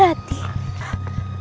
hanya ada yang aman